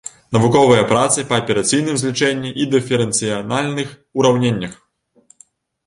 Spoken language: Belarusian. Навуковыя працы па аперацыйным злічэнні і дыферэнцыяльных ураўненнях.